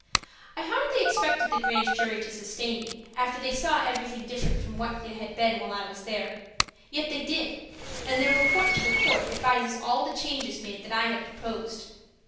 I hardly expected the grand jury to sustain me, after they saw everything different from what it had been while I was there. Yet they did, and their report to the court advises all the changes made that I had proposed.